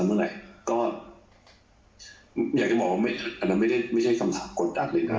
อยากจะว่ามันไม่ใช่คำถามกฎดัดเลยนะ